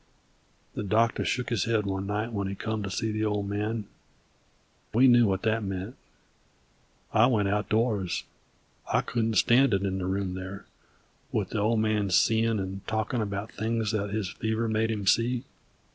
The doctor shook his head one night when he come to see the Old Man; we knew what that meant. I went out doors, I couldn't stand it in the room there, with the Old Man seein' 'nd talkin' about things that the fever made him see.